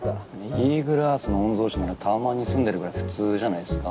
イーグルアースの御曹司ならタワマンに住んでるぐらい普通じゃないっすか？